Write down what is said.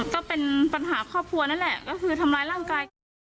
ก็เป็นปัญหาครอบครัวนั่นแหละก็คือทำร้ายร่างกายกัน